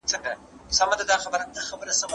ننګ پر وکه بیده قامه ستا په ننګ زندان ته تللی